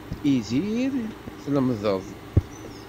Idir, tlemdeḍ.